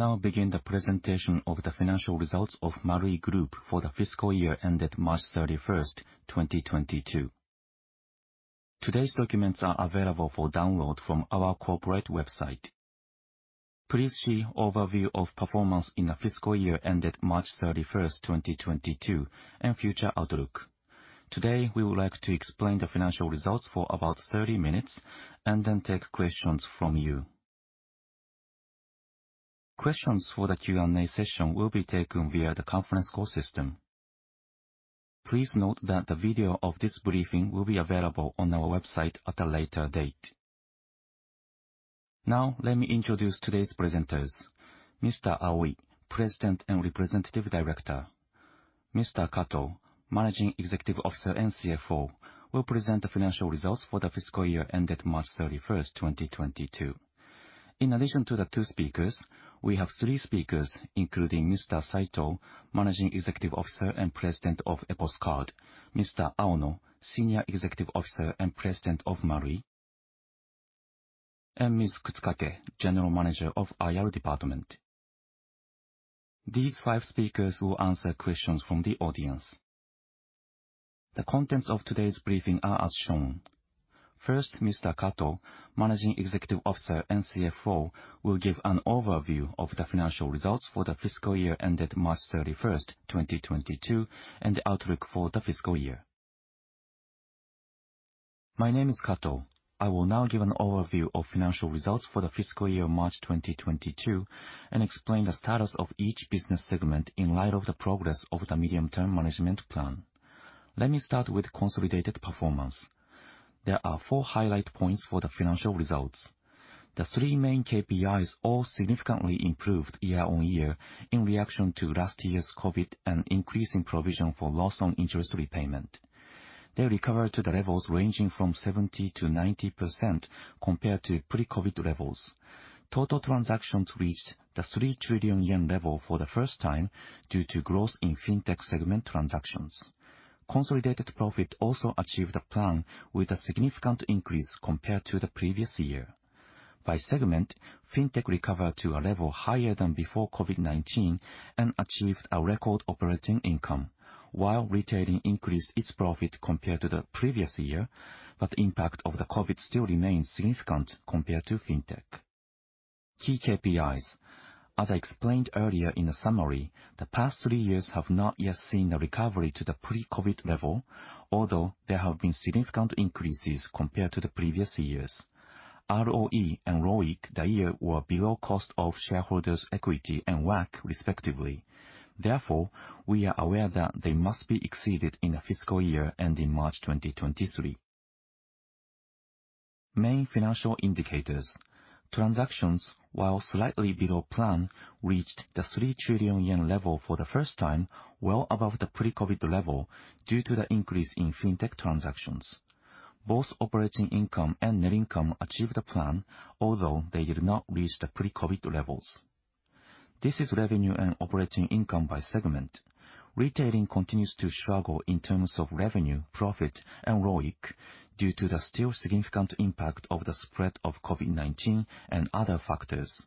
We will now begin the presentation of the Financial Results of Marui Group for the Fiscal Year ended March 31st, 2022. Today's documents are available for download from our corporate website. Please see overview of performance in the fiscal year ended March 31st, 2022, and future outlook. Today, we would like to explain the financial results for about 30 minutes, and then take questions from you. Questions for the Q&A session will be taken via the conference call system. Please note that the video of this briefing will be available on our website at a later date. Now let me introduce today's presenters. Mr. Aoi, President and Representative Director. Mr. Kato, Managing Executive Officer and CFO, will present the financial results for the fiscal year ended March 31st, 2022. In addition to the two speakers, we have three speakers, including Mr. Saito, Managing Executive Officer and President of Epos Card, Mr. Aono, Senior Executive Officer and President of MARUI, and Ms. Kutsukake, General Manager of IR Department. These five speakers will answer questions from the audience. The contents of today's briefing are as shown. First, Mr. Kato, Managing Executive Officer and CFO, will give an overview of the financial results for the fiscal year ended March 31st, 2022, and the outlook for the fiscal year. My name is Kato. I will now give an overview of financial results for the fiscal year March 2022, and explain the status of each business segment in light of the progress of the medium-term management plan. Let me start with consolidated performance. There are four highlight points for the financial results. The 3 main KPIs all significantly improved year-over-year in reaction to last year's COVID and increase in provision for loss on interest repayment. They recovered to the levels ranging from 70%-90% compared to pre-COVID levels. Total transactions reached the 3 trillion yen level for the first time due to growth in Fintech segment transactions. Consolidated profit also achieved a plan with a significant increase compared to the previous year. By segment, Fintech recovered to a level higher than before COVID-19 and achieved a record operating income, while retailing increased its profit compared to the previous year, but the impact of the COVID still remains significant compared to Fintech. Key KPIs. As I explained earlier in the summary, the past 3 years have not yet seen a recovery to the pre-COVID level, although there have been significant increases compared to the previous years. ROE and ROIC for the year were below the cost of shareholders' equity and WACC, respectively. Therefore, we are aware that we must exceed them in the fiscal year ending March 2023. Main financial indicators. Transactions, while slightly below plan, reached the 3 trillion yen level for the first time, well above the pre-COVID level due to the increase in Fintech transactions. Both operating income and net income achieved the plan, although they did not reach the pre-COVID levels. This is revenue and operating income by segment. Retailing continues to struggle in terms of revenue, profit, and ROIC due to the still significant impact of the spread of COVID-19 and other factors.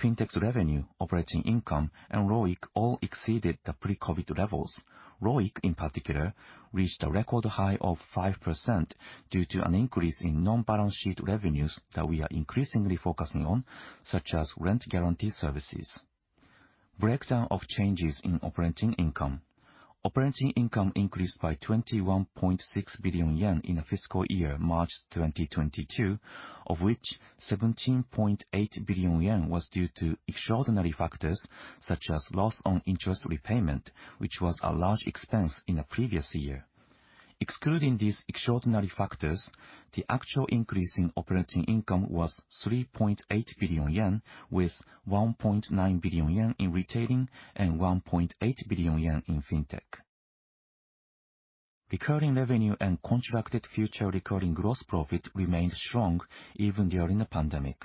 Fintech's revenue, operating income, and ROIC all exceeded the pre-COVID levels. ROIC, in particular, reached a record high of 5% due to an increase in non-balance sheet revenues that we are increasingly focusing on, such as rent guarantee services. Breakdown of changes in operating income. Operating income increased by 21.6 billion yen in the fiscal year March 2022, of which 17.8 billion yen was due to extraordinary factors such as loss on interest repayment, which was a large expense in the previous year. Excluding these extraordinary factors, the actual increase in operating income was 3.8 billion yen, with 1.9 billion yen in retailing and 1.8 billion yen in Fintech. Recurring revenue and contracted future recurring gross profit remained strong even during the pandemic.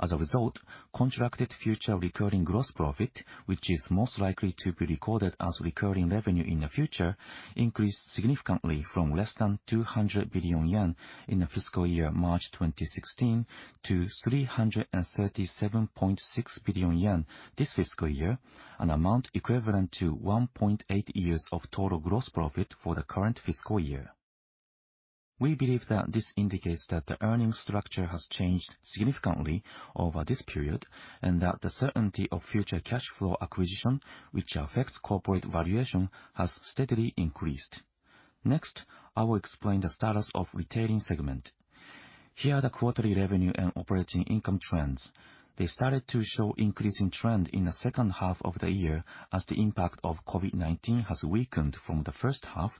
As a result, contracted future recurring gross profit, which is most likely to be recorded as recurring revenue in the future, increased significantly from less than 200 billion yen in the fiscal year March 2016 to 337.6 billion yen this fiscal year, an amount equivalent to 1.8 years of total gross profit for the current fiscal year. We believe that this indicates that the earnings structure has changed significantly over this period, and that the certainty of future cash flow acquisition, which affects corporate valuation, has steadily increased. Next, I will explain the status of retailing segment. Here are the quarterly revenue and operating income trends. They started to show increasing trend in the second half of the year as the impact of COVID-19 has weakened from the first half,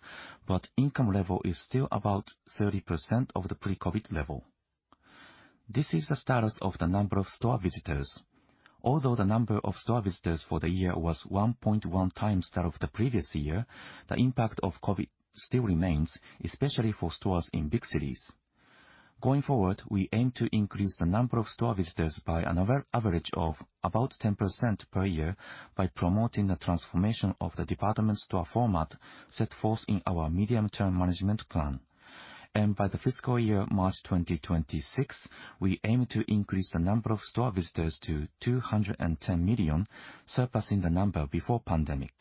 but income level is still about 30% of the pre-COVID level. This is the status of the number of store visitors. Although the number of store visitors for the year was 1.1x that of the previous year, the impact of COVID still remains, especially for stores in big cities. Going forward, we aim to increase the number of store visitors by an average of about 10% per year by promoting the transformation of the department store format set forth in our medium-term management plan. By the fiscal year March 2026, we aim to increase the number of store visitors to 210 million, surpassing the number before pandemic.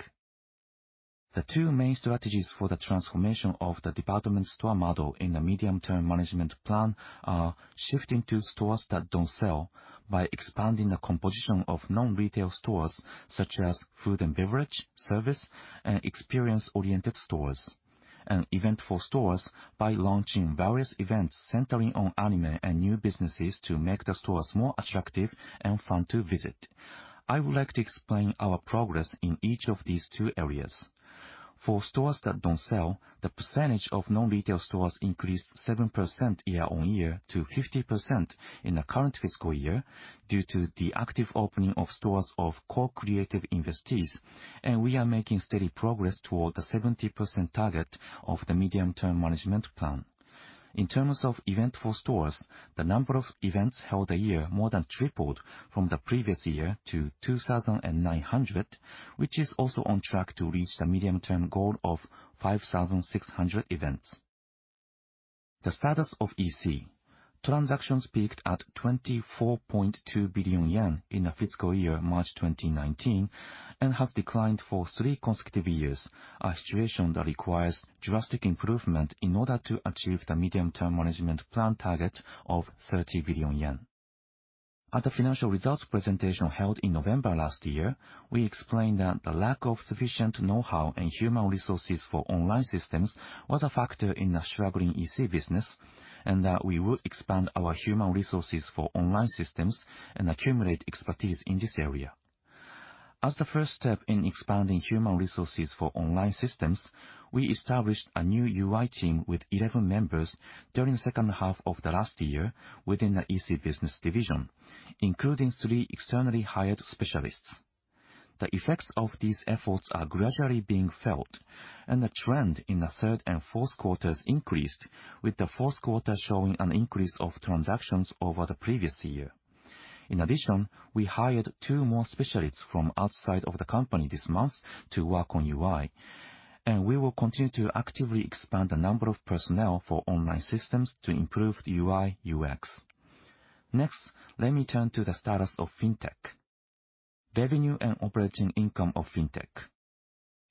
The two main strategies for the transformation of the department store model in the medium-term management plan are shifting to stores that don't sell by expanding the composition of non-retail stores such as food and beverage, service, and experience-oriented stores, and event for stores by launching various events centering on anime and new businesses to make the stores more attractive and fun to visit. I would like to explain our progress in each of these two areas. For stores that don't sell, the percentage of non-retail stores increased 7% year-over-year to 50% in the current fiscal year due to the active opening of stores of co-creative investees, and we are making steady progress toward the 70% target of the medium-term management plan. In terms of events for stores, the number of events held a year more than tripled from the previous year to 2,900, which is also on track to reach the medium-term goal of 5,600 events. The status of EC transactions peaked at 24.2 billion yen in the fiscal year March 2019, and has declined for three consecutive years, a situation that requires drastic improvement in order to achieve the medium-term management plan target of 30 billion yen. At the financial results presentation held in November last year, we explained that the lack of sufficient know-how and human resources for online systems was a factor in the struggling EC business, and that we would expand our human resources for online systems and accumulate expertise in this area. As the first step in expanding human resources for online systems, we established a new UI team with 11 members during the second half of the last year within the EC business division, including 3 externally hired specialists. The effects of these efforts are gradually being felt, and the trend in the third and fourth quarters increased, with the fourth quarter showing an increase of transactions over the previous year. In addition, we hired 2 more specialists from outside of the company this month to work on UI, and we will continue to actively expand the number of personnel for online systems to improve the UI/UX. Next, let me turn to the status of Fintech. Revenue and operating income of Fintech.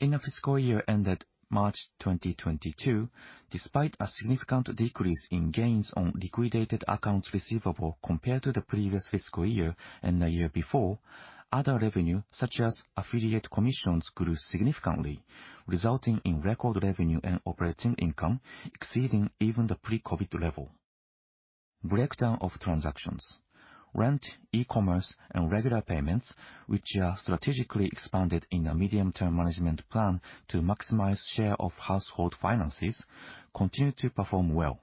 In the fiscal year ended March 2022, despite a significant decrease in gains on liquidated accounts receivable compared to the previous fiscal year and the year before, other revenue such as affiliate commissions grew significantly, resulting in record revenue and operating income exceeding even the pre-COVID level. Breakdown of transactions. Rent, e-commerce, and regular payments, which are strategically expanded in the medium-term management plan to maximize share of household finances, continue to perform well.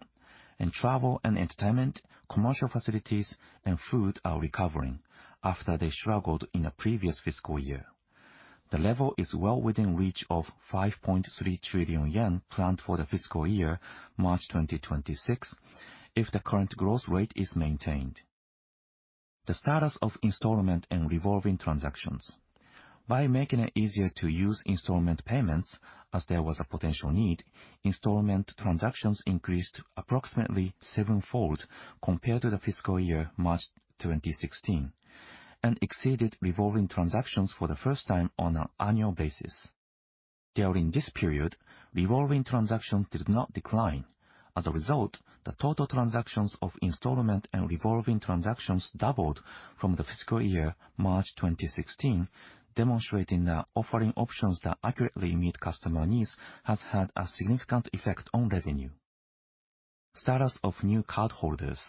Travel and entertainment, commercial facilities, and food are recovering after they struggled in the previous fiscal year. The level is well within reach of 5.3 trillion yen planned for the fiscal year March 2026 if the current growth rate is maintained. The status of installment and revolving transactions. By making it easier to use installment payments as there was a potential need, installment transactions increased approximately seven-fold compared to the fiscal year March 2016 and exceeded revolving transactions for the first time on an annual basis. During this period, revolving transaction did not decline. As a result, the total transactions of installment and revolving transactions doubled from the fiscal year March 2016, demonstrating that offering options that accurately meet customer needs has had a significant effect on revenue. Status of new cardholders.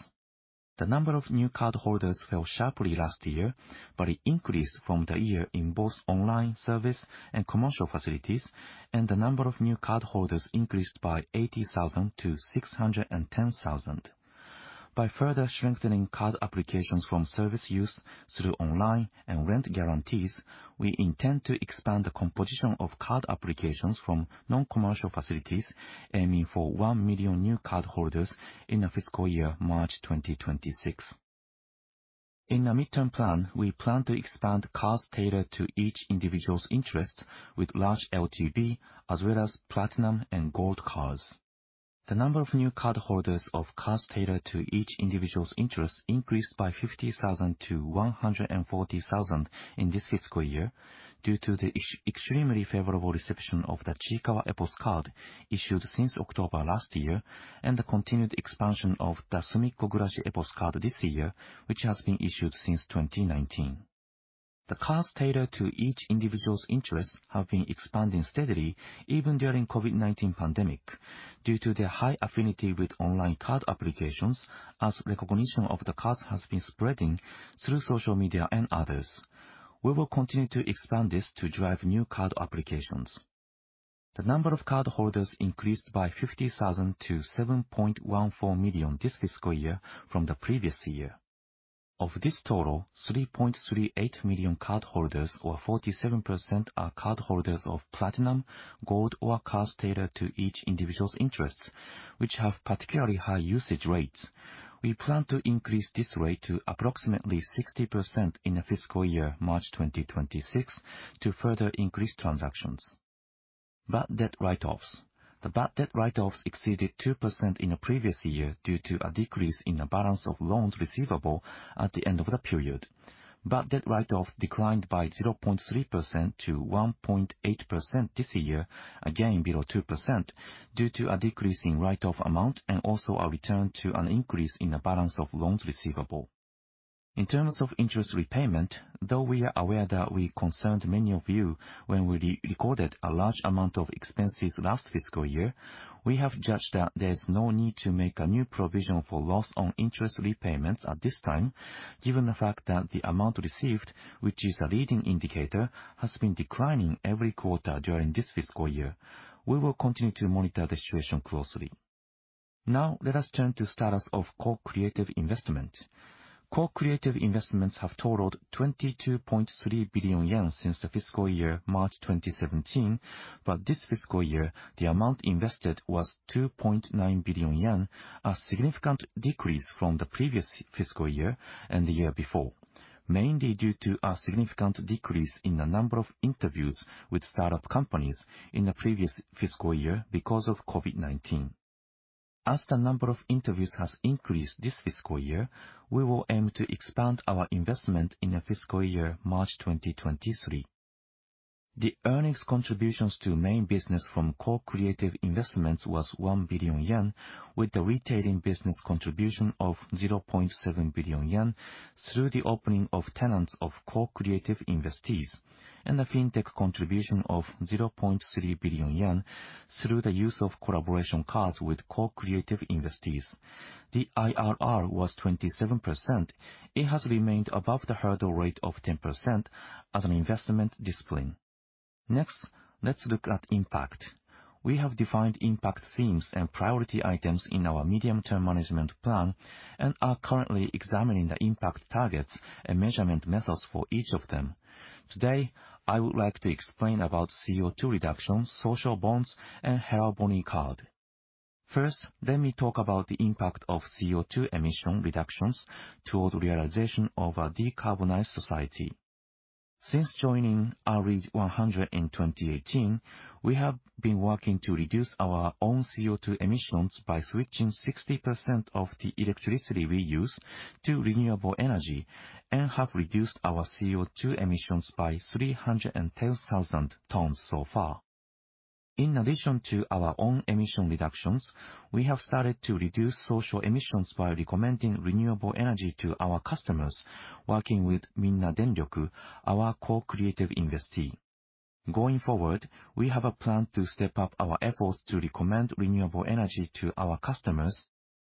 The number of new cardholders fell sharply last year, but it increased year-on-year in both online services and commercial facilities, and the number of new cardholders increased by 80,000 to 610,000. By further strengthening card applications from service use through online and rent guarantees, we intend to expand the composition of card applications from non-commercial facilities aiming for 1 million new cardholders in the fiscal year March 2026. In the midterm plan, we plan to expand cards tailored to each individual's interest with large LTV as well as platinum and gold cards. The number of new cardholders of cards tailored to each individual's interest increased by 50,000 to 140,000 in this fiscal year due to the extremely favorable reception of the Chiikawa EPOS Card issued since October last year and the continued expansion of the Sumikko Gurashi EPOS Card this year, which has been issued since 2019. The cards tailored to each individual's interests have been expanding steadily even during COVID-19 pandemic due to their high affinity with online card applications as recognition of the cards has been spreading through social media and others. We will continue to expand this to drive new card applications. The number of cardholders increased by 50,000 to 7.14 million this fiscal year from the previous year. Of this total, 3.38 million cardholders or 47% are cardholders of platinum, gold, or cards tailored to each individual's interests, which have particularly high usage rates. We plan to increase this rate to approximately 60% in the fiscal year March 2026 to further increase transactions. Bad debt write-offs. The bad debt write-offs exceeded 2% in the previous year due to a decrease in the balance of loans receivable at the end of the period. Bad debt write-offs declined by 0.3% to 1.8% this year, again below 2%, due to a decrease in write-off amount and also a return to an increase in the balance of loans receivable. In terms of interest repayment, though we are aware that we concerned many of you when we recognized a large amount of expenses last fiscal year, we have judged that there's no need to make a new provision for loss on interest repayments at this time, given the fact that the amount received, which is a leading indicator, has been declining every quarter during this fiscal year. We will continue to monitor the situation closely. Now, let us turn to status of co-creative investment. Co-creative investments have totaled 22.3 billion yen since the fiscal year March 2017, but this fiscal year, the amount invested was 2.9 billion yen, a significant decrease from the previous fiscal year and the year before, mainly due to a significant decrease in the number of interviews with start-up companies in the previous fiscal year because of COVID-19. As the number of interviews has increased this fiscal year, we will aim to expand our investment in the fiscal year March 2023. The earnings contributions to main business from co-creative investments was 1 billion yen, with the retailing business contribution of 0.7 billion yen through the opening of tenants of co-creative investees, and the fintech contribution of 0.3 billion yen through the use of collaboration cards with co-creative investees. The IRR was 27%. It has remained above the hurdle rate of 10% as an investment discipline. Next, let's look at impact. We have defined impact themes and priority items in our medium-term management plan and are currently examining the impact targets and measurement methods for each of them. Today, I would like to explain about CO₂ reduction, social bonds, and HERALBONY card. First, let me talk about the impact of CO₂ emission reductions toward realization of a decarbonized society. Since joining RE100 in 2018, we have been working to reduce our own CO₂ emissions by switching 60% of the electricity we use to renewable energy and have reduced our CO₂ emissions by 310,000 tons so far. In addition to our own emission reductions, we have started to reduce social emissions by recommending renewable energy to our customers working with Minna Denryoku, our co-creative investee. Going forward, we have a plan to step up our efforts to recommend renewable energy to our customers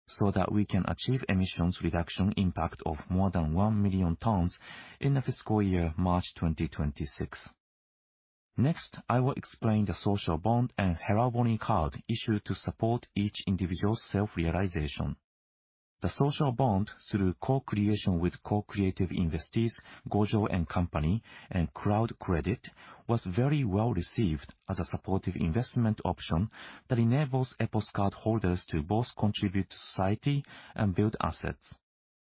so that we can achieve emissions reduction impact of more than 1 million tons in the fiscal year March 2026. Next, I will explain the social bond and HERALBONY card issued to support each individual's self-realization. The social bond through co-creation with co-creative investees, Gojo & Company and Crowd Credit, was very well-received as a supportive investment option that enables EPOS Card holders to both contribute to society and build assets.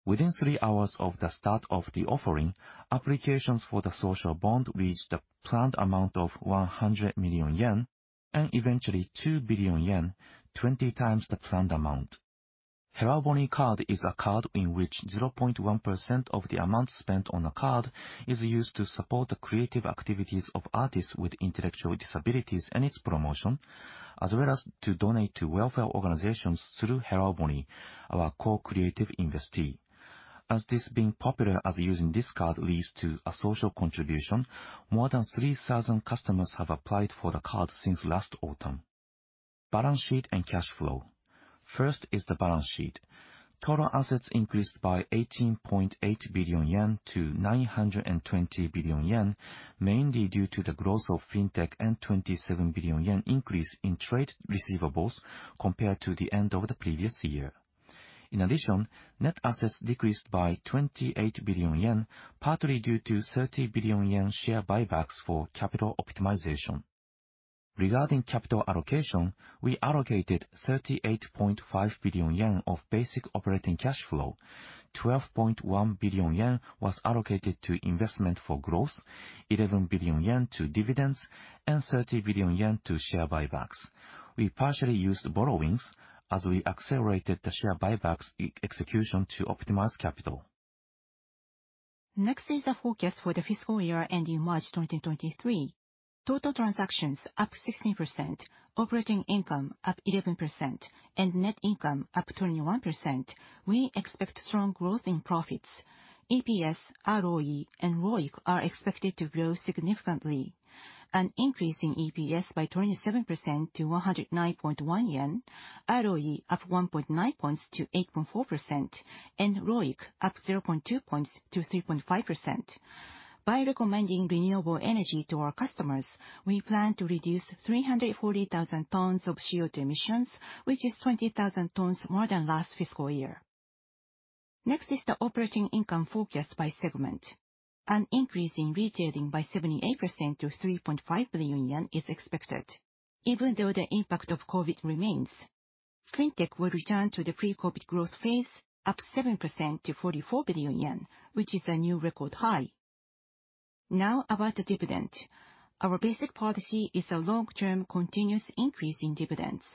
Within three hours of the start of the offering, applications for the social bond reached a planned amount of 100 million yen and eventually 2 billion yen, 20x the planned amount. HERALBONY Card is a card in which 0.1% of the amount spent on the card is used to support the creative activities of artists with intellectual disabilities and its promotion, as well as to donate to welfare organizations through HERALBONY, our co-creative investee. As this being popular as using this card leads to a social contribution, more than 3,000 customers have applied for the card since last autumn. Balance sheet and cash flow. First is the balance sheet. Total assets increased by 18.8 billion yen to 920 billion yen, mainly due to the growth of fintech and 27 billion yen increase in trade receivables compared to the end of the previous year. In addition, net assets decreased by 28 billion yen, partly due to 30 billion yen share buybacks for capital optimization. Regarding capital allocation, we allocated 38.5 billion yen of basic operating cash flow. 12.1 billion yen was allocated to investment for growth, 11 billion yen to dividends, and 30 billion yen to share buybacks. We partially used borrowings as we accelerated the share buybacks execution to optimize capital. Next is the forecast for the fiscal year ending March 2023. Total transactions up 16%, operating income up 11%, and net income up 21%. We expect strong growth in profits. EPS, ROE, and ROIC are expected to grow significantly. An increase in EPS by 27% to 109.1 yen, ROE up 1.9 points to 8.4%, and ROIC up 0.2 points to 3.5%. By recommending renewable energy to our customers, we plan to reduce 340,000 tons of CO₂ emissions, which is 20,000 tons more than last fiscal year. Next is the operating income forecast by segment. An increase in retailing by 78% to 3.5 billion yen is expected, even though the impact of COVID remains. Fintech will return to the pre-COVID growth phase, up 7% to 44 billion yen, which is a new record high. Now about the dividend. Our basic policy is a long-term continuous increase in dividends.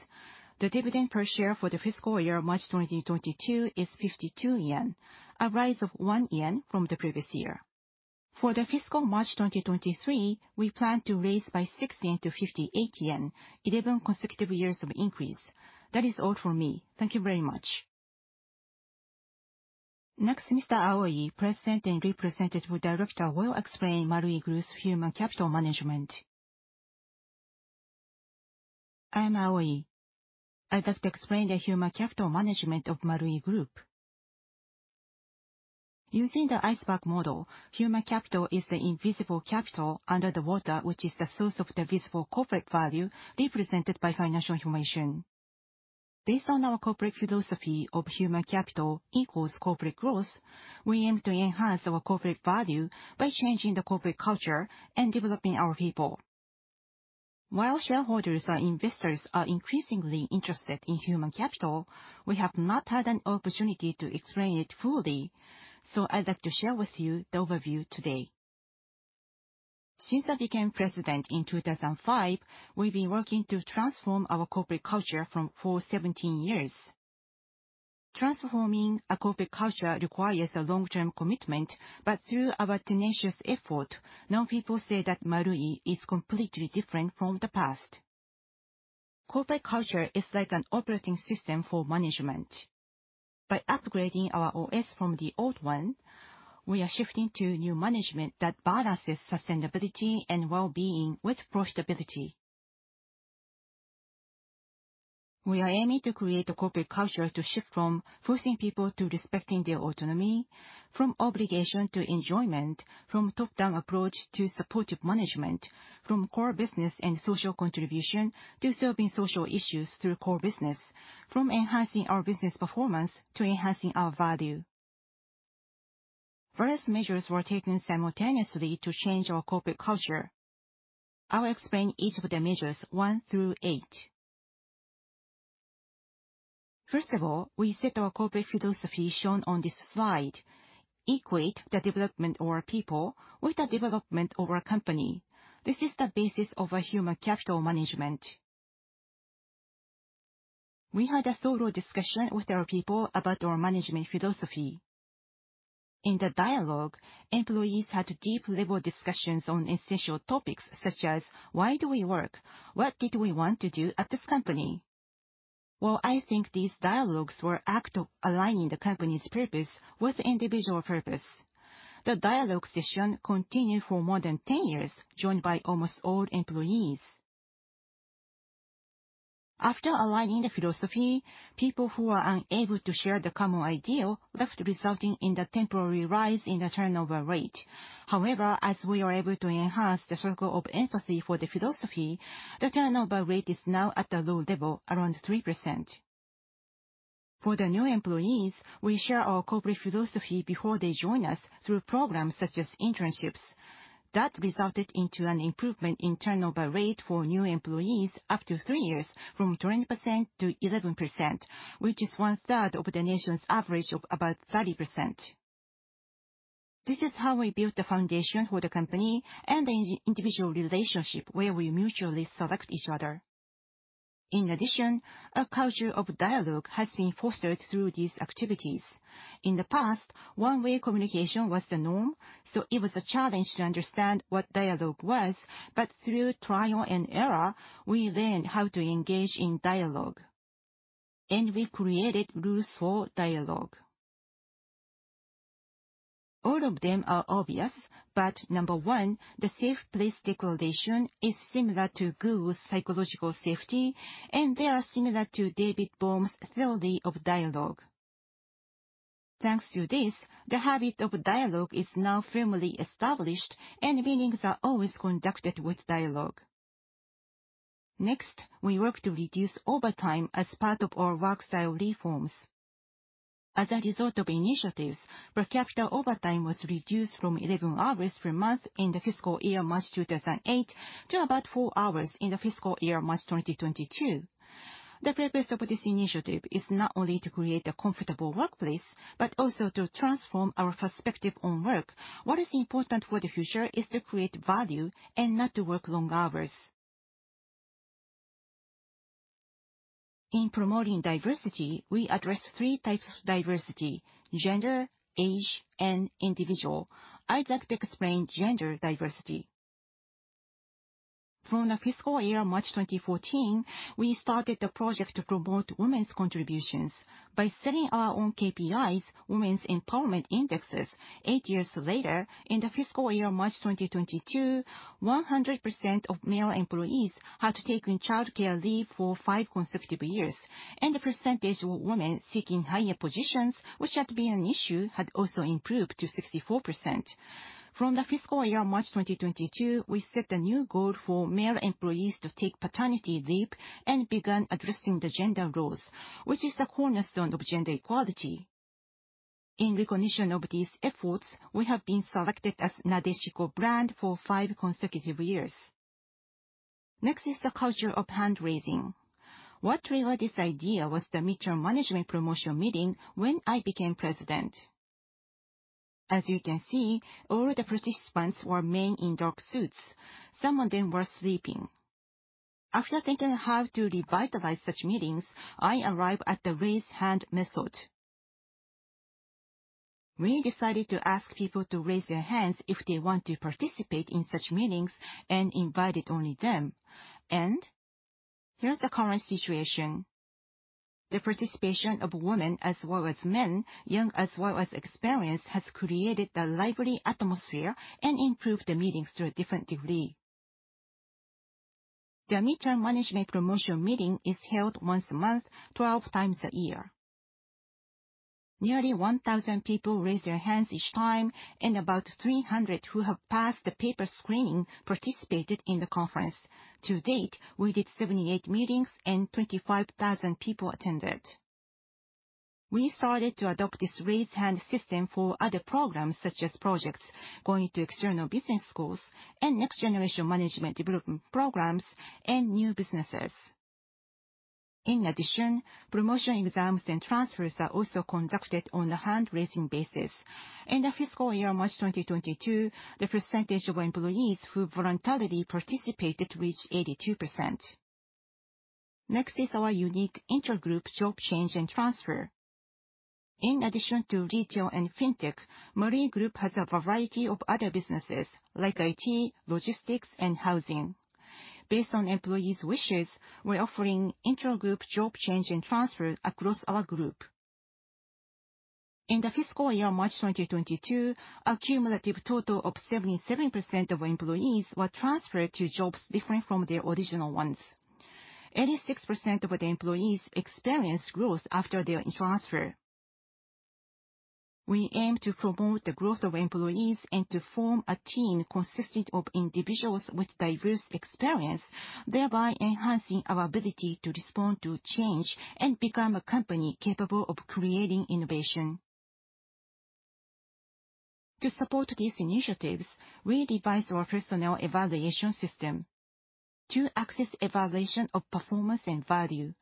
The dividend per share for the fiscal year March 2022 is 52 yen, a rise of 1 yen from the previous year. For the fiscal March 2023, we plan to raise by 6 yen to 58 yen, 11 consecutive years of increase. That is all from me. Thank you very much. Next, Mr. Aoi, President and Representative Director will explain Marui Group's human capital management. I am Aoi. I'd like to explain the human capital management of Marui Group. Using the iceberg model, human capital is the invisible capital under the water which is the source of the visible corporate value represented by financial information. Based on our corporate philosophy of human capital equals corporate growth, we aim to enhance our corporate value by changing the corporate culture and developing our people. While shareholders or investors are increasingly interested in human capital, we have not had an opportunity to explain it fully, so I'd like to share with you the overview today. Since I became president in 2005, we've been working to transform our corporate culture for 17 years. Transforming a corporate culture requires a long-term commitment, but through our tenacious effort, now people say that Marui is completely different from the past. Corporate culture is like an operating system for management. By upgrading our OS from the old one, we are shifting to new management that balances sustainability and well-being with profitability. We are aiming to create a corporate culture to shift from forcing people to respecting their autonomy, from obligation to enjoyment, from top-down approach to supportive management, from core business and social contribution to serving social issues through core business, from enhancing our business performance to enhancing our value. Various measures were taken simultaneously to change our corporate culture. I'll explain each of the measures 1 through 8. First of all, we set our corporate philosophy shown on this slide, equate the development of our people with the development of our company. This is the basis of our human capital management. We had a thorough discussion with our people about our management philosophy. In the dialogue, employees had deep level discussions on essential topics such as why do we work? What did we want to do at this company? Well, I think these dialogues were act of aligning the company's purpose with individual purpose. The dialogue session continued for more than 10 years, joined by almost all employees. After aligning the philosophy, people who are unable to share the common ideal left resulting in the temporary rise in the turnover rate. However, as we are able to enhance the circle of empathy for the philosophy, the turnover rate is now at a low level around 3%. For the new employees, we share our corporate philosophy before they join us through programs such as internships. That resulted into an improvement in turnover rate for new employees up to 3 years from 20% to 11%, which is one-third of the nation's average of about 30%. This is how we built the foundation for the company and the individual relationship where we mutually select each other. In addition, a culture of dialogue has been fostered through these activities. In the past, one-way communication was the norm, so it was a challenge to understand what dialogue was. Through trial and error, we learned how to engage in dialogue, and we created rules for dialogue. All of them are obvious, but number one, the safe place declaration is similar to Google's psychological safety, and they are similar to David Bohm's theory of dialogue. Thanks to this, the habit of dialogue is now firmly established and meetings are always conducted with dialogue. Next, we work to reduce overtime as part of our work style reforms. As a result of initiatives, per capita overtime was reduced from 11 hours per month in the fiscal year March 2008 to about 4 hours in the fiscal year March 2022. The purpose of this initiative is not only to create a comfortable workplace, but also to transform our perspective on work. What is important for the future is to create value and not to work long hours. In promoting diversity, we address three types of diversity, gender, age, and individual. I'd like to explain gender diversity. From the fiscal year March 2014, we started a project to promote women's contributions. By setting our own KPIs, women's empowerment indexes, eight years later in the fiscal year March 2022, 100% of male employees had taken childcare leave for five consecutive years. The percentage of women seeking higher positions which had been an issue, had also improved to 64%. From the fiscal year March 2022, we set a new goal for male employees to take paternity leave and began addressing the gender roles, which is the cornerstone of gender equality. In recognition of these efforts, we have been selected as Nadeshiko Brand for 5 consecutive years. Next is the culture of hand-raising. What triggered this idea was the midterm management promotion meeting when I became president. As you can see, all the participants were men in dark suits. Some of them were sleeping. After thinking how to revitalize such meetings, I arrived at the raise hand method. We decided to ask people to raise their hands if they want to participate in such meetings and invited only them. Here's the current situation. The participation of women as well as men, young as well as experienced, has created a lively atmosphere and improved the meetings to a different degree. The midterm management promotion meeting is held once a month, 12x a year. Nearly 1,000 people raise their hands each time, and about 300 who have passed the paper screening participated in the conference. To date, we did 78 meetings and 25,000 people attended. We started to adopt this raise hand system for other programs such as projects going to external business schools and next generation management development programs and new businesses. In addition, promotion exams and transfers are also conducted on a hand-raising basis. In the fiscal year March 2022, the percentage of employees who voluntarily participated reached 82%. Next is our unique intragroup job change and transfer. In addition to retail and fintech, Marui Group has a variety of other businesses like IT, logistics, and housing. Based on employees' wishes, we're offering intragroup job change and transfer across our group. In the fiscal year March 2022, a cumulative total of 77% of employees were transferred to jobs different from their original ones. 86% of the employees experienced growth after their transfer. We aim to promote the growth of employees and to form a team consisted of individuals with diverse experience, thereby enhancing our ability to respond to change and become a company capable of creating innovation. To support these initiatives, we revised our personnel evaluation system. Two-axis evaluation of performance and value.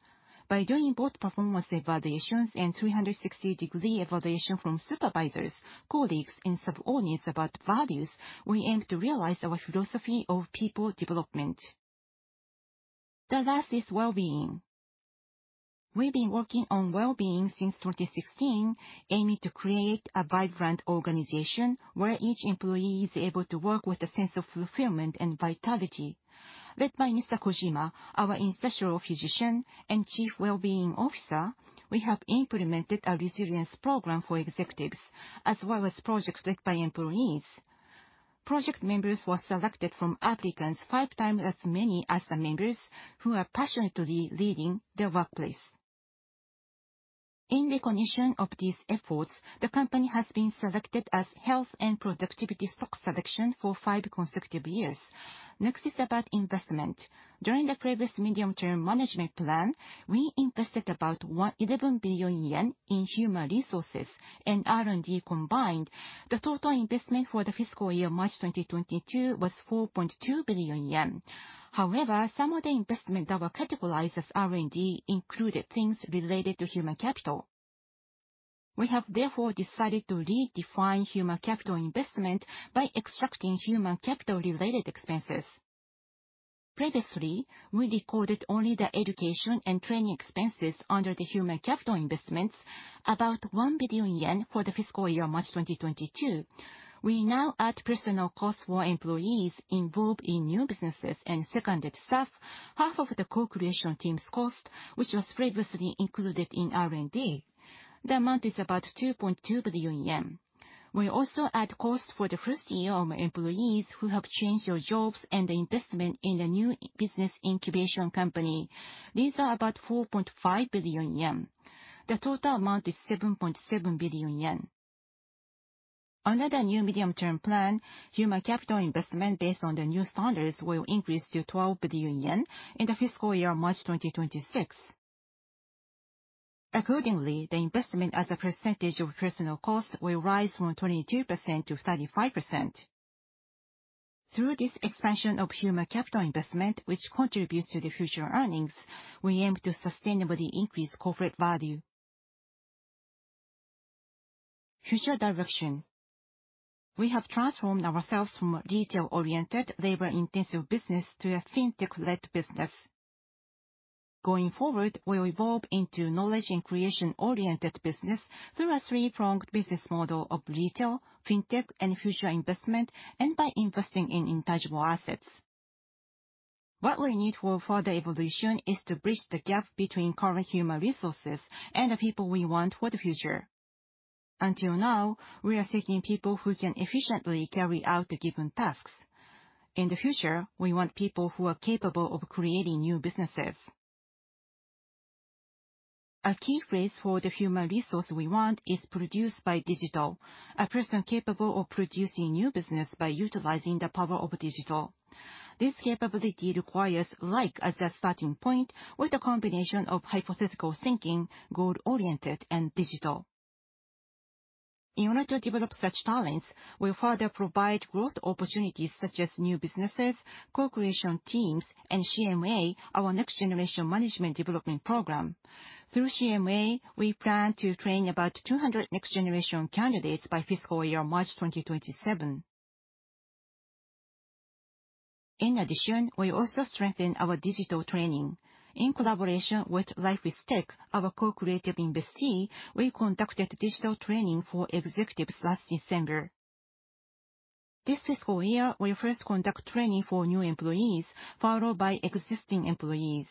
By doing both performance evaluations and 360-degree evaluation from supervisors, colleagues, and subordinates about values, we aim to realize our philosophy of people development. The last is well-being. We've been working on well-being since 2016, aiming to create a vibrant organization where each employee is able to work with a sense of fulfillment and vitality. Led by Mr. Kojima, our industrial physician and chief well-being officer. We have implemented a resilience program for executives as well as projects led by employees. Project members were selected from applicants 5x as many as the members who are passionately leading their workplace. In recognition of these efforts, the company has been selected as Health and Productivity Stock Selection for five consecutive years. Next is about investment. During the previous medium-term management plan, we invested about eleven billion yen in human resources and R&D combined. The total investment for the fiscal year March 2022 was 4.2 billion yen. However, some of the investment that were categorized as R&D included things related to human capital. We have therefore decided to redefine human capital investment by extracting human capital related expenses. Previously, we recorded only the education and training expenses under the human capital investments about 1 billion yen for the fiscal year March 2022. We now add personnel costs for employees involved in new businesses and seconded staff, half of the co-creation team's cost, which was previously included in R&D. The amount is about 2.2 billion yen. We also add cost for the first year of employees who have changed their jobs and the investment in the new business incubation company. These are about 4.5 billion yen. The total amount is 7.7 billion yen. Under the new medium-term plan, human capital investment based on the new standards will increase to 12 billion yen in the fiscal year March 2026. Accordingly, the investment as a percentage of personnel cost will rise from 22% to 35%. Through this expansion of human capital investment which contributes to the future earnings, we aim to sustainably increase corporate value. Future direction. We have transformed ourselves from a detail-oriented, labor-intensive business to a fintech-led business. Going forward, we'll evolve into knowledge and creation-oriented business through a three-pronged business model of retail, fintech, and future investment and by investing in intangible assets. What we need for further evolution is to bridge the gap between current human resources and the people we want for the future. Until now, we are seeking people who can efficiently carry out the given tasks. In the future, we want people who are capable of creating new businesses. Our key phrase for the human resource we want is produced by digital, a person capable of producing new business by utilizing the power of digital. This capability requires like as a starting point with a combination of hypothetical thinking, goal-oriented, and digital. In order to develop such talents, we further provide growth opportunities such as new businesses, co-creation teams, and CMA, our next generation management development program. Through CMA, we plan to train about 200 next generation candidates by fiscal year March 2027. In addition, we also strengthen our digital training. In collaboration with Life is Tech!, our co-creative investee, we conducted digital training for executives last December. This fiscal year, we first conduct training for new employees, followed by existing employees.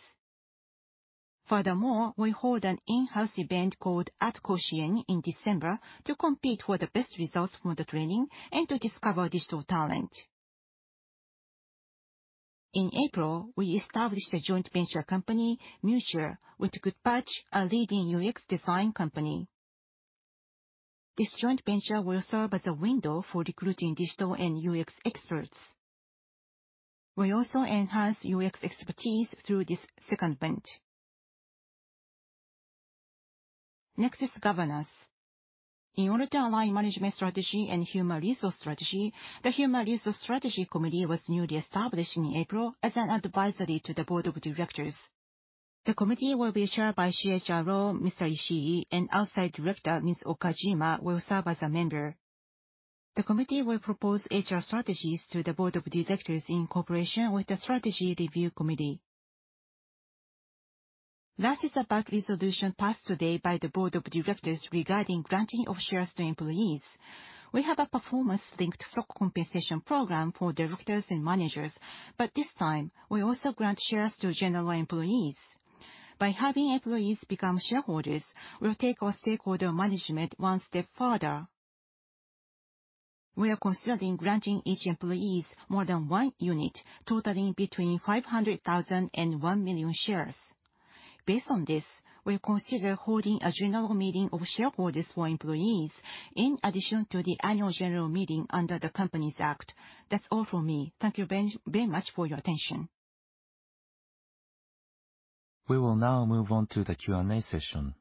Furthermore, we hold an in-house event called IT Koshien in December to compete for the best results from the training and to discover digital talent. In April, we established a joint venture company, Muture, with Goodpatch, a leading UX design company. This joint venture will serve as a window for recruiting digital and UX experts. We also enhance UX expertise through this second bench. Next is governance. In order to align management strategy and human resource strategy, the Human Resource Strategy Committee was newly established in April as an advisory to the board of directors. The committee will be chaired by CHRO Mr. Ishii, and Outside Director Ms. Okajima will serve as a member. The committee will propose HR strategies to the board of directors in cooperation with the Strategy Review Committee. Last is about resolution passed today by the board of directors regarding granting of shares to employees. We have a performance-linked stock compensation program for directors and managers, but this time, we also grant shares to general employees. By having employees become shareholders, we'll take our stakeholder management one step further. We are considering granting each employee more than one unit totaling between 500,000 and 1,000,000 shares. Based on this, we consider holding a general meeting of shareholders for employees in addition to the annual general meeting under the Companies Act. That's all from me. Thank you very, very much for your attention. We will now move on to the Q&A session.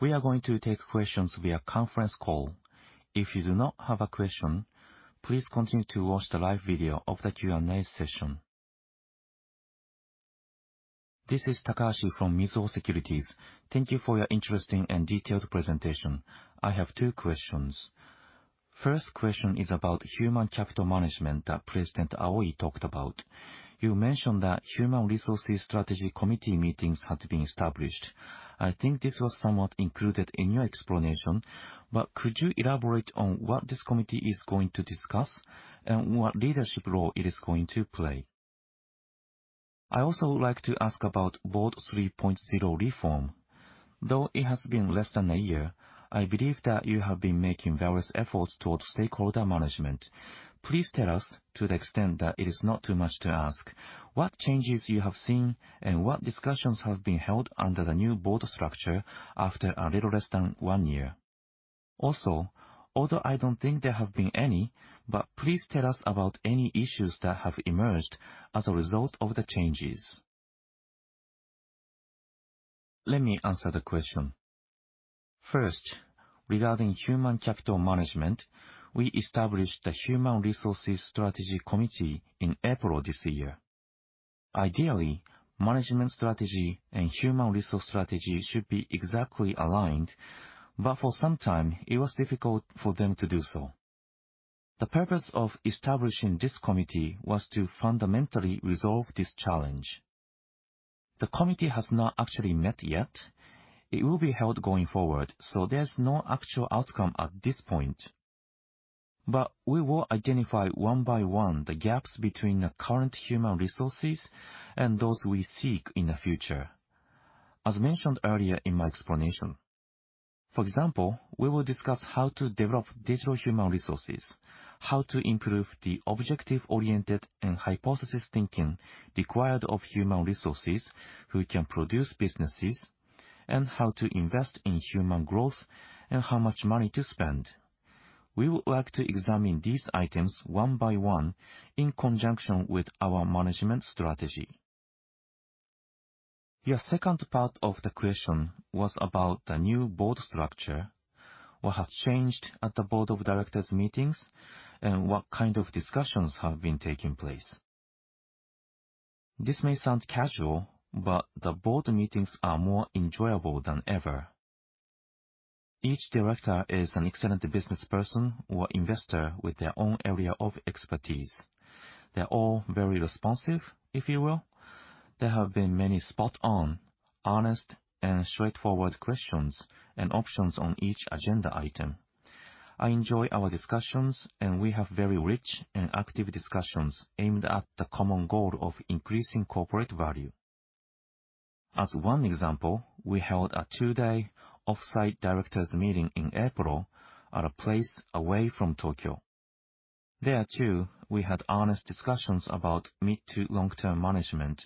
We are going to take questions via conference call. If you do not have a question, please continue to watch the live video of the Q&A session. This is Takahashi from Mizuho Securities. Thank you for your interesting and detailed presentation. I have two questions. First question is about human capital management that President Aoi talked about. You mentioned that Human Resource Strategy Committee meetings had been established. I think this was somewhat included in your explanation, but could you elaborate on what this committee is going to discuss and what leadership role it is going to play? I also would like to ask about Board 3.0 reform. Though it has been less than a year, I believe that you have been making various efforts towards stakeholder management. Please tell us to the extent that it is not too much to ask what changes you have seen and what discussions have been held under the new board structure after a little less than one year. Also, although I don't think there have been any, but please tell us about any issues that have emerged as a result of the changes. Let me answer the question. First, regarding human capital management, we established the Human Resource Strategy Committee in April this year. Ideally, management strategy and human resource strategy should be exactly aligned, but for some time it was difficult for them to do so. The purpose of establishing this committee was to fundamentally resolve this challenge. The committee has not actually met yet. It will be held going forward, so there's no actual outcome at this point. We will identify one by one the gaps between the current human resources and those we seek in the future, as mentioned earlier in my explanation. For example, we will discuss how to develop digital human resources, how to improve the objective-oriented and hypothesis thinking required of human resources who can produce businesses, and how to invest in human growth and how much money to spend. We would like to examine these items one by one in conjunction with our management strategy. Your second part of the question was about the new board structure. What has changed at the board of directors meetings, and what kind of discussions have been taking place? This may sound casual, but the board meetings are more enjoyable than ever. Each director is an excellent businessperson or investor with their own area of expertise. They're all very responsive, if you will. There have been many spot on, honest, and straightforward questions and options on each agenda item. I enjoy our discussions, and we have very rich and active discussions aimed at the common goal of increasing corporate value. As one example, we held a two-day off-site directors meeting in April at a place away from Tokyo. There too, we had honest discussions about mid to long-term management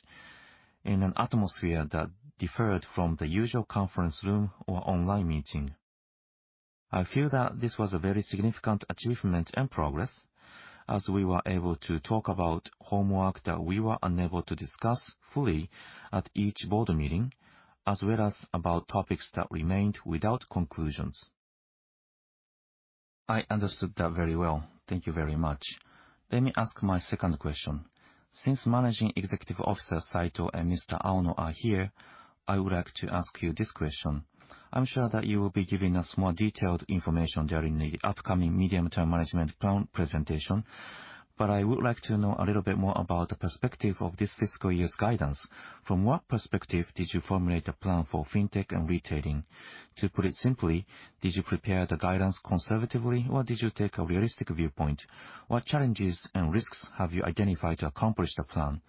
in an atmosphere that differed from the usual conference room or online meeting. I feel that this was a very significant achievement and progress as we were able to talk about homework that we were unable to discuss fully at each board meeting, as well as about topics that remained without conclusions. I understood that very well. Thank you very much. Let me ask my second question. Since Managing Executive Officer Saito and Mr. Aono are here, I would like to ask you this question. I'm sure that you will be giving us more detailed information during the upcoming medium-term management plan presentation, but I would like to know a little bit more about the perspective of this fiscal year's guidance. From what perspective did you formulate the plan for fintech and retailing? To put it simply, did you prepare the guidance conservatively or did you take a realistic viewpoint? What challenges and risks have you identified to accomplish the plan?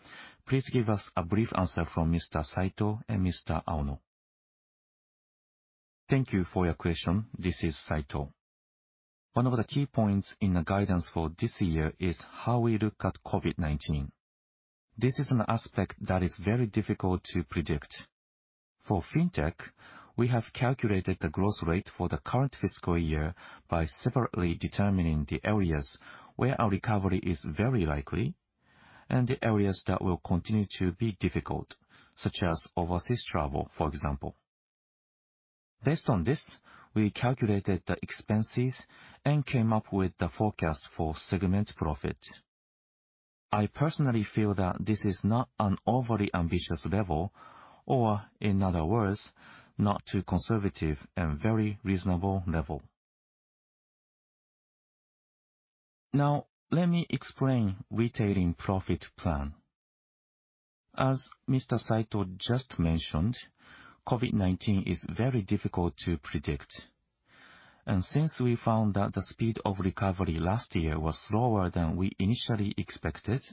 Please give us a brief answer from Mr. Saito and Mr. Aono. Thank you for your question. This is Saito. One of the key points in the guidance for this year is how we look at COVID-19. This is an aspect that is very difficult to predict. For fintech, we have calculated the growth rate for the current fiscal year by separately determining the areas where our recovery is very likely and the areas that will continue to be difficult, such as overseas travel, for example. Based on this, we calculated the expenses and came up with the forecast for segment profit. I personally feel that this is not an overly ambitious level, or in other words, not too conservative and very reasonable level. Now let me explain retail profit plan. As Mr. Saito just mentioned, COVID-19 is very difficult to predict, and since we found that the speed of recovery last year was slower than we initially expected,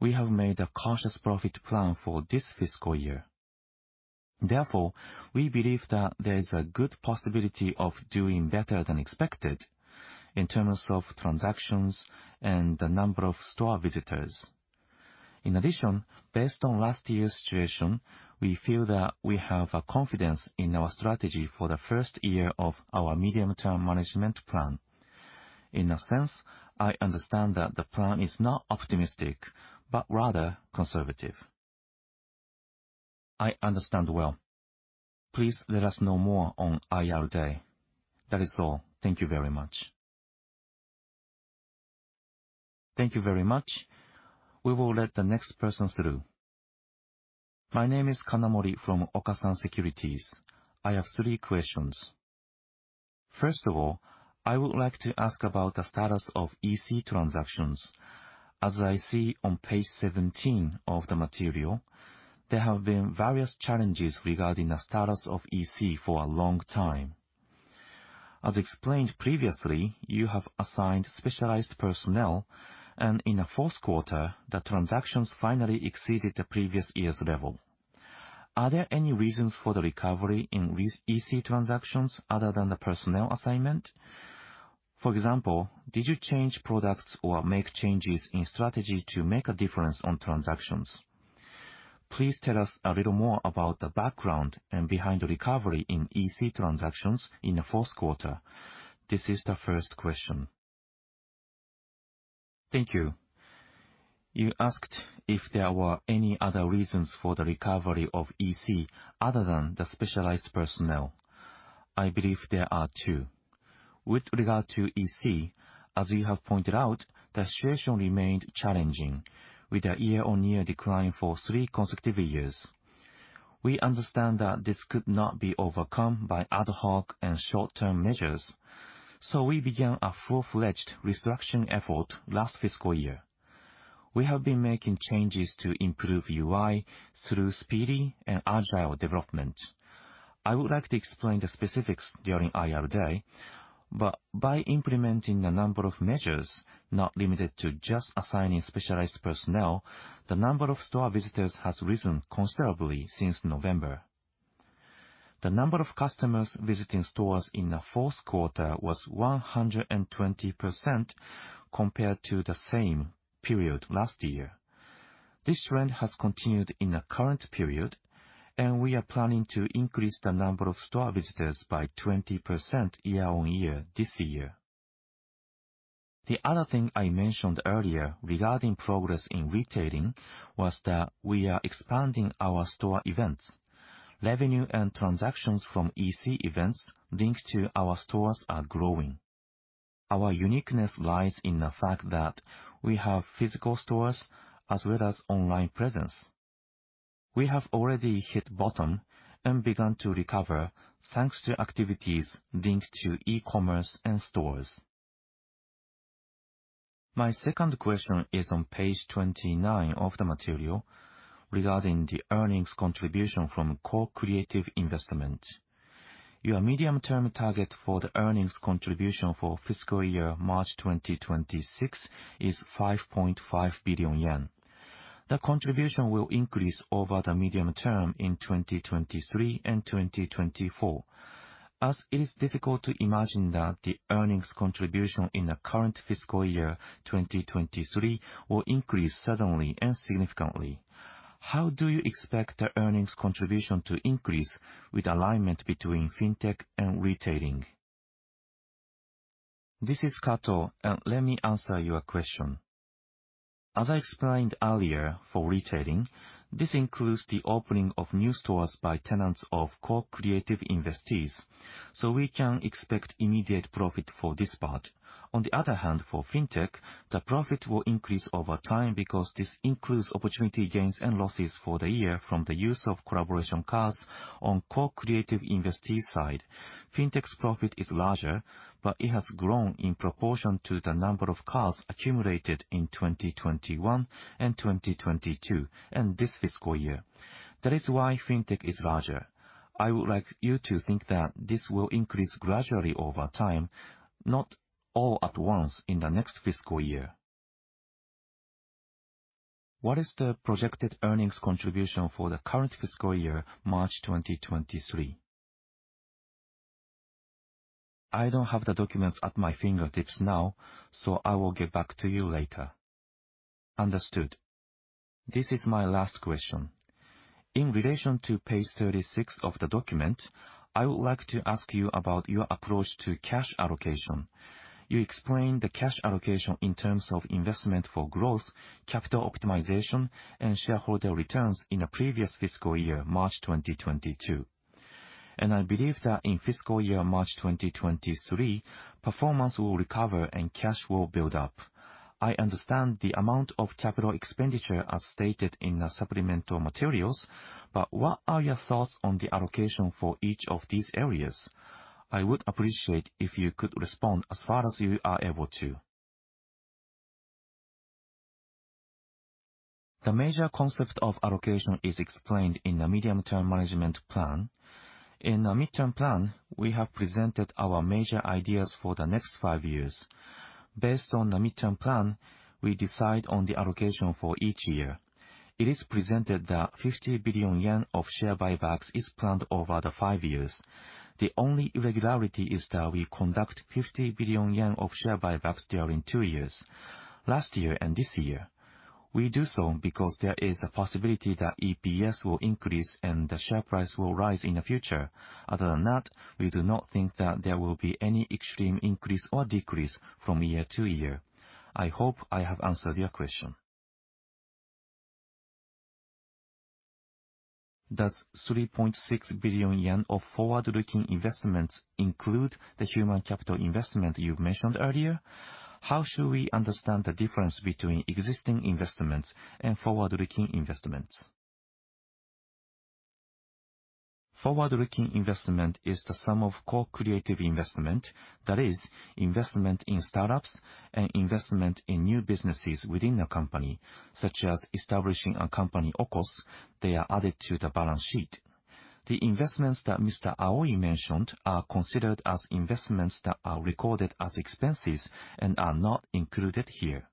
we have made a cautious profit plan for this fiscal year. Therefore, we believe that there is a good possibility of doing better than expected in terms of transactions and the number of store visitors. In addition, based on last year's situation, we feel that we have a confidence in our strategy for the first year of our medium-term management plan. In a sense, I understand that the plan is not optimistic, but rather conservative. I understand well. Please let us know more on IR day. That is all. Thank you very much. We will let the next person through. My name is Kanamori from Okasan Securities. I have three questions. First of all, I would like to ask about the status of EC transactions. As I see on page 17 of the material, there have been various challenges regarding the status of EC for a long time. As explained previously, you have assigned specialized personnel, and in the fourth quarter, the transactions finally exceeded the previous year's level. Are there any reasons for the recovery in EC transactions other than the personnel assignment? For example, did you change products or make changes in strategy to make a difference on transactions? Please tell us a little more about the background and behind the recovery in EC transactions in the fourth quarter. This is the first question. Thank you. You asked if there were any other reasons for the recovery of EC other than the specialized personnel. I believe there are two. With regard to EC, as you have pointed out, the situation remained challenging with a year-on-year decline for three consecutive years. We understand that this could not be overcome by ad hoc and short-term measures, so we began a full-fledged restructuring effort last fiscal year. We have been making changes to improve UI through speedy and agile development. I would like to explain the specifics during IR day, but by implementing a number of measures, not limited to just assigning specialized personnel, the number of store visitors has risen considerably since November. The number of customers visiting stores in the fourth quarter was 120% compared to the same period last year. This trend has continued in the current period, and we are planning to increase the number of store visitors by 20% year-on-year this year. The other thing I mentioned earlier regarding progress in retailing was that we are expanding our store events. Revenue and transactions from EC events linked to our stores are growing. Our uniqueness lies in the fact that we have physical stores as well as online presence. We have already hit bottom and begun to recover thanks to activities linked to e-commerce and stores. My second question is on page 29 of the material regarding the earnings contribution from co-creative investment. Your medium-term target for the earnings contribution for fiscal year March 2026 is 5.5 billion yen. The contribution will increase over the medium term in 2023 and 2024, as it is difficult to imagine that the earnings contribution in the current fiscal year, 2023, will increase suddenly and significantly. How do you expect the earnings contribution to increase with alignment between fintech and retailing? This is Kato, and let me answer your question. As I explained earlier, for retailing, this includes the opening of new stores by tenants of co-creative investees, so we can expect immediate profit for this part. On the other hand, for fintech, the profit will increase over time because this includes opportunity gains and losses for the year from the use of collaboration cards on co-creative investee side. Fintech's profit is larger, but it has grown in proportion to the number of cards accumulated in 2021 and 2022, and this fiscal year. That is why fintech is larger. I would like you to think that this will increase gradually over time, not all at once in the next fiscal year. What is the projected earnings contribution for the current fiscal year, March 2023? I don't have the documents at my fingertips now, so I will get back to you later. Understood. This is my last question. In relation to page 36 of the document, I would like to ask you about your approach to cash allocation. You explained the cash allocation in terms of investment for growth, capital optimization, and shareholder returns in the previous fiscal year, March 2022. I believe that in fiscal year March 2023, performance will recover and cash will build up. I understand the amount of capital expenditure as stated in the supplemental materials, but what are your thoughts on the allocation for each of these areas? I would appreciate if you could respond as far as you are able to. The major concept of allocation is explained in the medium-term management plan. In the midterm plan, we have presented our major ideas for the next five years. Based on the midterm plan, we decide on the allocation for each year. It is presented that 50 billion yen of share buybacks is planned over the five years. The only irregularity is that we conduct 50 billion yen of share buybacks during 2 years, last year and this year. We do so because there is a possibility that EPS will increase and the share price will rise in the future. Other than that, we do not think that there will be any extreme increase or decrease from year to year. I hope I have answered your question. Does 3.6 billion yen of forward-looking investments include the human capital investment you mentioned earlier? How should we understand the difference between existing investments and forward-looking investments? Forward-looking investment is the sum of co-creative investment. That is investment in startups and investment in new businesses within the company, such as establishing a company okos. They are added to the balance sheet. The investments that Mr. Aoi mentioned are considered as investments that are recorded as expenses and are not included here.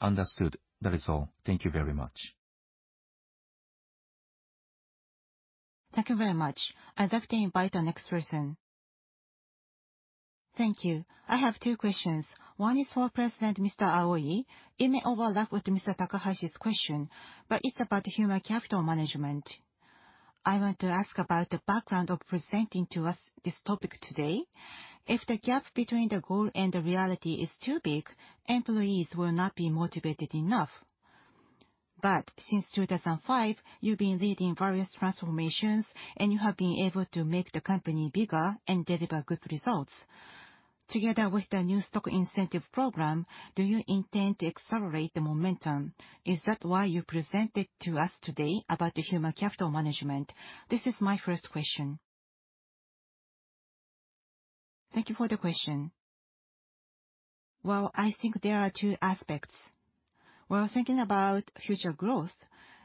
Understood. That is all. Thank you very much. Thank you very much. I'd like to invite our next person. Thank you. I have two questions. One is for President Mr. Aoi. It may overlap with Mr. Takahashi's question, but it's about human capital management. I want to ask about the background of presenting to us this topic today. If the gap between the goal and the reality is too big, employees will not be motivated enough. Since 2005, you've been leading various transformations, and you have been able to make the company bigger and deliver good results. Together with the new stock incentive program, do you intend to accelerate the momentum? Is that why you presented to us today about the human capital management? This is my first question. Thank you for the question. Well, I think there are two aspects. While thinking about future growth,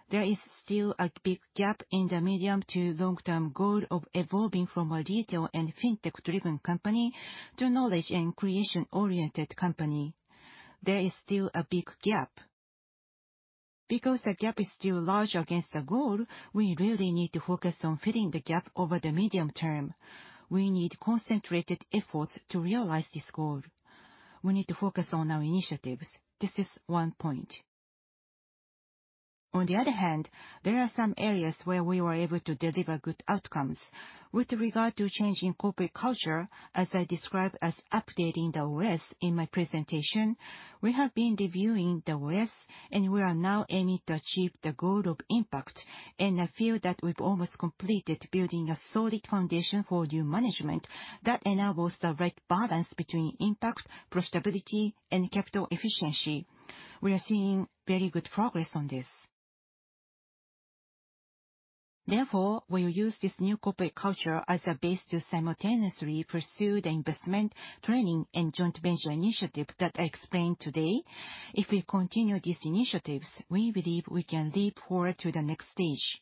there is still a big gap in the medium to long-term goal of evolving from a retail and fintech-driven company to knowledge and creation-oriented company. There is still a big gap. Because the gap is still large against the goal, we really need to focus on filling the gap over the medium term. We need concentrated efforts to realize this goal. We need to focus on our initiatives. This is one point. On the other hand, there are some areas where we were able to deliver good outcomes. With regard to change in corporate culture, as I described as updating the OS in my presentation, we have been reviewing the OS, and we are now aiming to achieve the goal of impact in a field that we've almost completed building a solid foundation for new management that enables the right balance between impact, profitability, and capital efficiency. We are seeing very good progress on this. Therefore, we'll use this new corporate culture as a base to simultaneously pursue the investment, training, and joint venture initiative that I explained today. If we continue these initiatives, we believe we can leap forward to the next stage.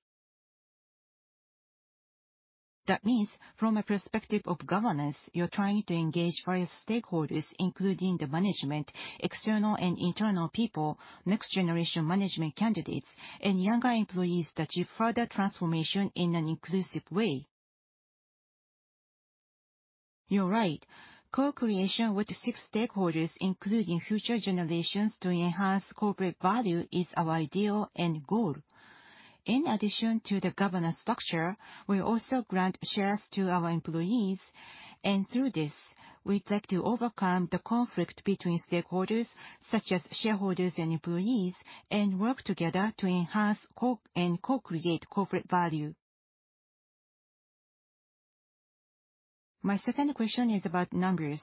That means from a perspective of governance, you're trying to engage various stakeholders, including the management, external and internal people, next generation management candidates, and younger employees to achieve further transformation in an inclusive way. You're right. Co-creation with six stakeholders, including future generations to enhance corporate value is our ideal end goal. In addition to the governance structure, we also grant shares to our employees, and through this, we'd like to overcome the conflict between stakeholders, such as shareholders and employees, and work together to enhance and co-create corporate value. My second question is about numbers.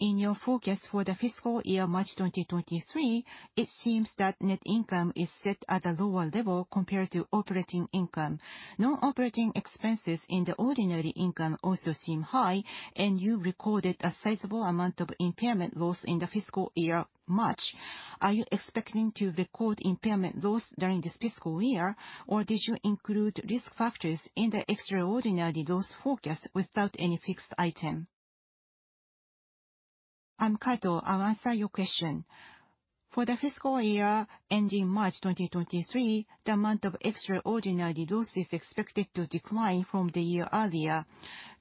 In your forecast for the fiscal year March 2023, it seems that net income is set at a lower level compared to operating income. Non-operating expenses in the ordinary income also seem high, and you recorded a sizable amount of impairment loss in the fiscal year March. Are you expecting to record impairment loss during this fiscal year, or did you include risk factors in the extraordinary loss forecast without any fixed item? I'm Kato. I'll answer your question. For the fiscal year ending March 2023, the amount of extraordinary loss is expected to decline from the year earlier.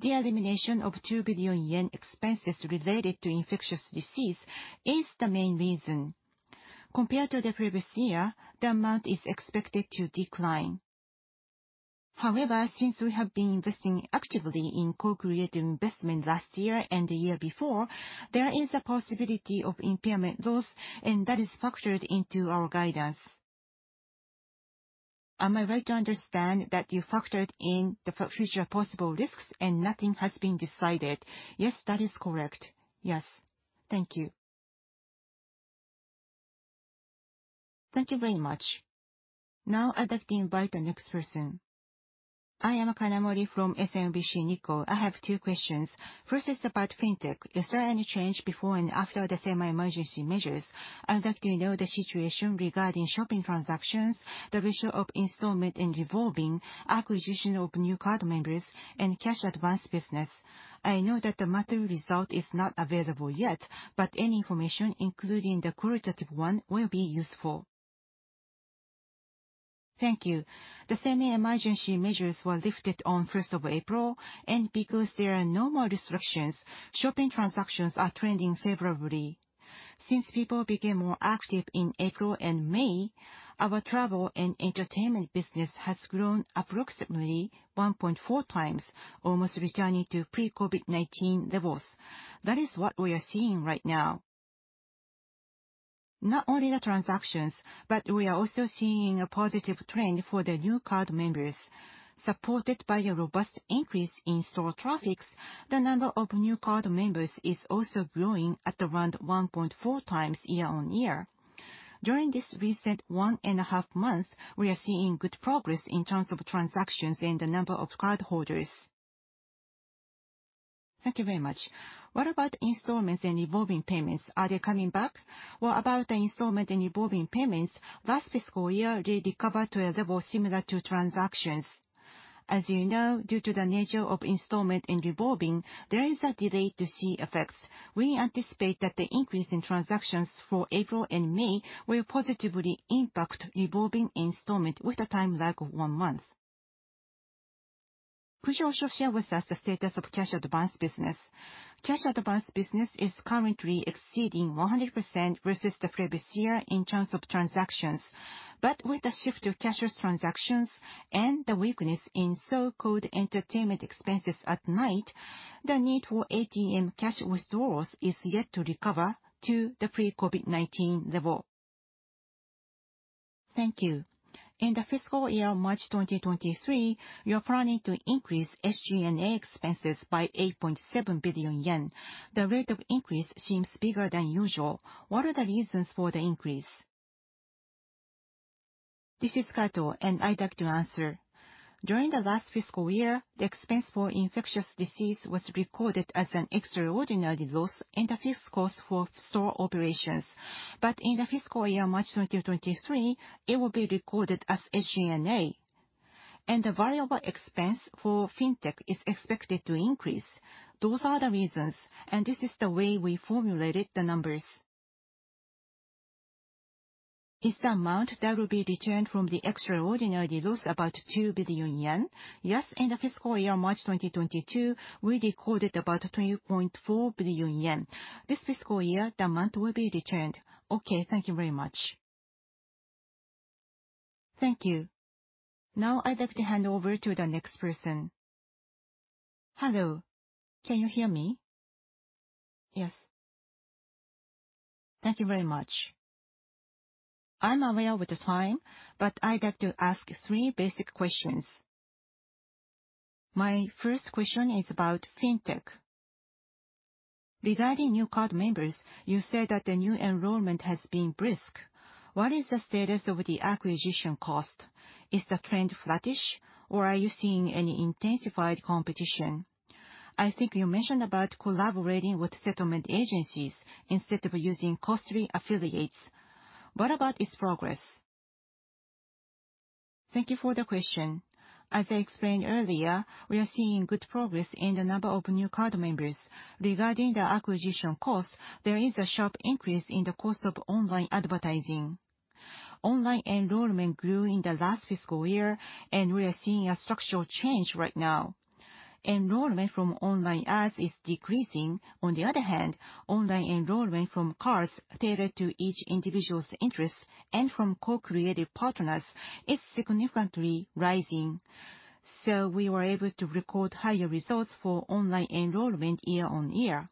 The elimination of 2 billion yen expenses related to infectious disease is the main reason. Compared to the previous year, the amount is expected to decline. However, since we have been investing actively in co-creative investment last year and the year before, there is a possibility of impairment loss, and that is factored into our guidance. Am I right to understand that you factored in the future possible risks and nothing has been decided? Yes, that is correct. Yes. Thank you. Thank you very much. Now I'd like to invite the next person. I am Kanamori from SMBC Nikko. I have two questions. First is about fintech. Is there any change before and after the semi-emergency measures? I would like to know the situation regarding shopping transactions, the ratio of installment and revolving, acquisition of new card members, and cash advance business. I know that the monthly result is not available yet, but any information, including the qualitative one, will be useful. Thank you. The semi-emergency measures were lifted on first of April, and because there are no more disruptions, shopping transactions are trending favorably. Since people became more active in April and May, our travel and entertainment business has grown approximately 1.4x, almost returning to pre-COVID-19 levels. That is what we are seeing right now. Not only the transactions, but we are also seeing a positive trend for the new card members. Supported by a robust increase in store traffics, the number of new card members is also growing at around 1.4x year-on-year. During this recent one and a half months, we are seeing good progress in terms of transactions and the number of cardholders. Thank you very much. What about installments and revolving payments? Are they coming back? Well, about the installment and revolving payments, last fiscal year, they recovered to a level similar to transactions. As you know, due to the nature of installment and revolving, there is a delay to see effects. We anticipate that the increase in transactions for April and May will positively impact revolving installment with a time lag of one month. Could you also share with us the status of cash advance business? Cash advance business is currently exceeding 100% versus the previous year in terms of transactions. With the shift of cashless transactions and the weakness in so-called entertainment expenses at night, the need for ATM cash withdrawals is yet to recover to the pre-COVID-19 level. Thank you. In the fiscal year March 2023, you are planning to increase SG&A expenses by 8.7 billion yen. The rate of increase seems bigger than usual. What are the reasons for the increase? This is Kato, and I'd like to answer. During the last fiscal year, the expense for infectious disease was recorded as an extraordinary loss in the fixed cost for store operations. In the fiscal year March 2023, it will be recorded as SG&A. The variable expense for fintech is expected to increase. Those are the reasons, and this is the way we formulated the numbers. Is the amount that will be returned from the extraordinary loss about 2 billion yen? Yes, in the fiscal year March 2022, we recorded about 20.4 billion yen. This fiscal year, the amount will be returned. Okay, thank you very much. Thank you. Now I'd like to hand over to the next person. Hello. Can you hear me? Yes. Thank you very much. I'm aware with the time, but I'd like to ask three basic questions. My first question is about fintech. Regarding new card members, you said that the new enrollment has been brisk. What is the status of the acquisition cost? Is the trend flattish, or are you seeing any intensified competition? I think you mentioned about collaborating with settlement agencies instead of using costly affiliates. What about its progress? Thank you for the question. As I explained earlier, we are seeing good progress in the number of new card members. Regarding the acquisition cost, there is a sharp increase in the cost of online advertising. Online enrollment grew in the last fiscal year, and we are seeing a structural change right now. Enrollment from online ads is decreasing. On the other hand, online enrollment from cards tailored to each individual's interests and from co-creative partners is significantly rising. So we were able to record higher results for online enrollment year-on-year.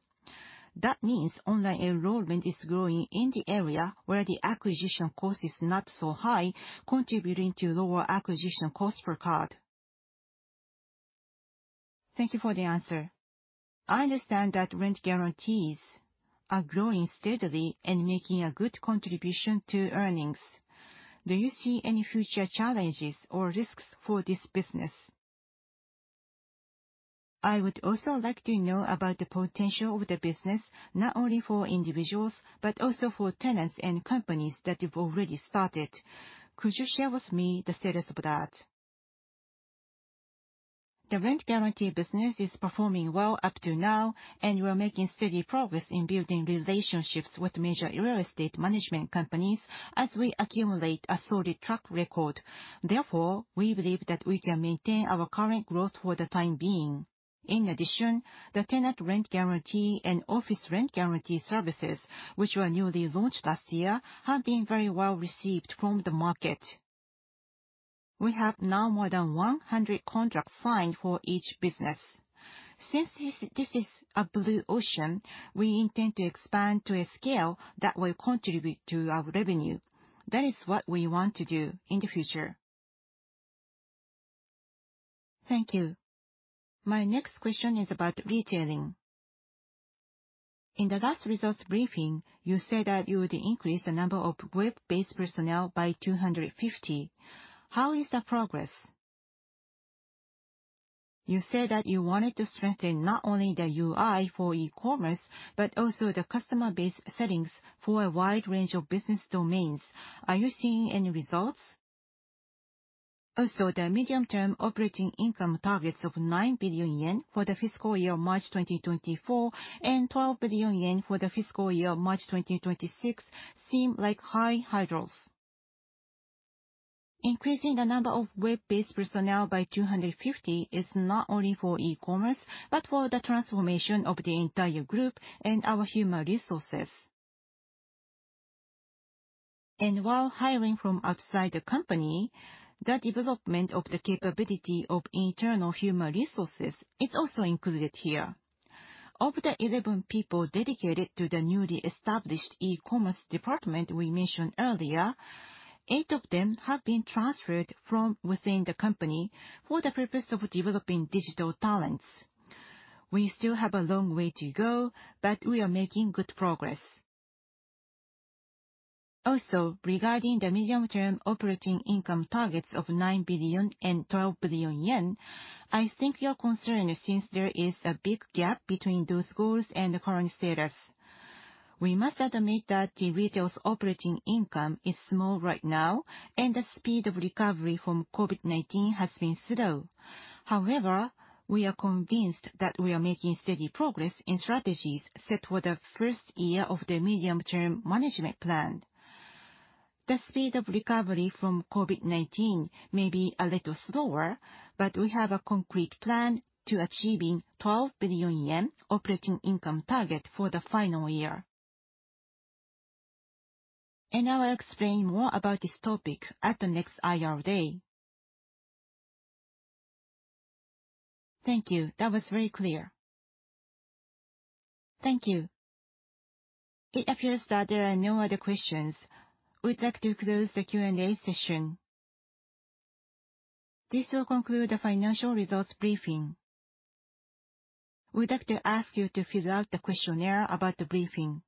That means online enrollment is growing in the area where the acquisition cost is not so high, contributing to lower acquisition cost per card. Thank you for the answer. I understand that rent guarantees are growing steadily and making a good contribution to earnings. Do you see any future challenges or risks for this business? I would also like to know about the potential of the business, not only for individuals, but also for tenants and companies that you've already started. Could you share with me the status of that? The rent guarantee business is performing well up to now, and we're making steady progress in building relationships with major real estate management companies as we accumulate a solid track record. Therefore, we believe that we can maintain our current growth for the time being. In addition, the tenant rent guarantee and office rent guarantee services, which were newly launched last year, have been very well received from the market. We have now more than 100 contracts signed for each business. Since this is a blue ocean, we intend to expand to a scale that will contribute to our revenue. That is what we want to do in the future. Thank you. My next question is about retailing. In the last results briefing, you said that you would increase the number of web-based personnel by 250. How is the progress? You said that you wanted to strengthen not only the UI for e-commerce, but also the customer base settings for a wide range of business domains. Are you seeing any results? Also, the medium term operating income targets of 9 billion yen for the fiscal year March 2024 and 12 billion yen for the fiscal year March 2026 seem like high hurdles. Increasing the number of web-based personnel by 250 is not only for e-commerce, but for the transformation of the entire group and our human resources. While hiring from outside the company, the development of the capability of internal human resources is also included here. Of the 11 people dedicated to the newly established e-commerce department we mentioned earlier, eight of them have been transferred from within the company for the purpose of developing digital talents. We still have a long way to go, but we are making good progress. Also, regarding the medium-term operating income targets of 9 billion and 12 billion yen, I think your concern is since there is a big gap between those goals and the current status. We must admit that the retail's operating income is small right now, and the speed of recovery from COVID-19 has been slow. However, we are convinced that we are making steady progress in strategies set for the first year of the medium-term management plan. The speed of recovery from COVID-19 may be a little slower, but we have a concrete plan to achieving 12 billion yen operating income target for the final year. I will explain more about this topic at the next IR day. Thank you. That was very clear. Thank you. It appears that there are no other questions. We'd like to close the Q&A session. This will conclude the financial results briefing. We'd like to ask you to fill out the questionnaire about the briefing.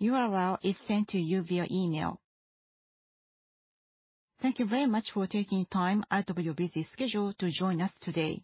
URL is sent to you via email. Thank you very much for taking time out of your busy schedule to join us today.